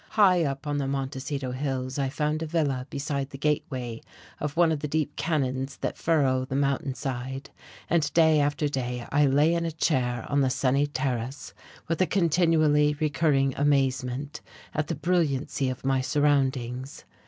High up on the Montecito hills I found a villa beside the gateway of one of the deep canons that furrow the mountain side, and day after day I lay in a chair on the sunny terrace, with a continually recurring amazement at the brilliancy of my surroundings.